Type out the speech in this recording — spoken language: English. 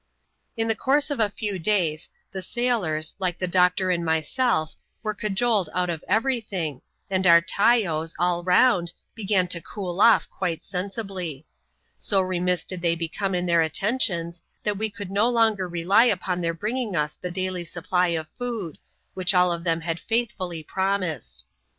In the course of a few days, the sailors, like the doctor and mjraelf, were cajoled out of every thin^, and our " tajos,^ all round, began to cool off quite aenaWAy. ^ totix^ ^\\H5Qss^\ftr CHAP. XI.] WE TAKE rNTO OURSELVES FRIENDS. isr come in their attentions, that we could no longer rely upon their bringing us the daily supply of food, which all of them had faithfully promised.